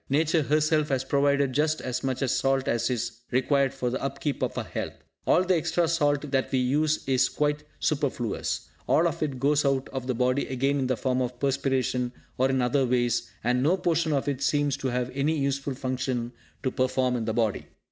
Nature herself has provided just as much salt as is required for the upkeep of our health. All the extra salt that we use is quite superfluous; all of it goes out of the body again in the form of perspiration, or in other ways, and no portion of it seems to have any useful function to perform in the body.